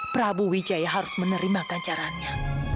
prabu jaya harus menerima ganjarannya